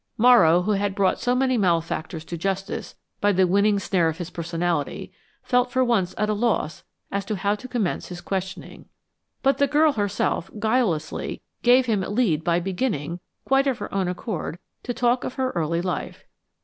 Morrow, who had brought so many malefactors to justice by the winning snare of his personality, felt for once at a loss as to how to commence his questioning. But the girl herself, guilelessly, gave him a lead by beginning, quite of her own accord, to talk of her early life.